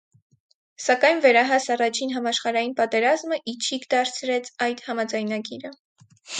Սակայն վերահաս առաջին համաշխարհային պատերազմը ի չիք դարձրեց այդ համաձայնագիրը։